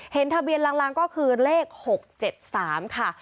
ทะเบียนลางก็คือเลข๖๗๓ค่ะ